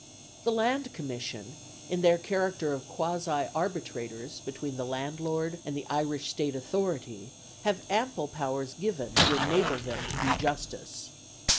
The Land Commission, in their character of quasi arbitrators between the landlord and the Irish State Authority, have ample powers given to enable them to do justice.